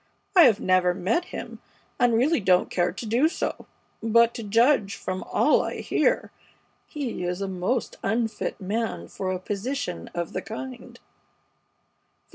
I have never met him, and really don't care to do so; but to judge from all I hear, he is a most unfit man for a position of the kind.